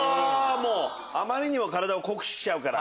あまりにも体を酷使しちゃうから。